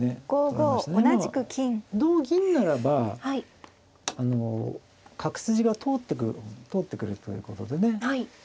今は同銀ならば角筋が通ってくるということでね。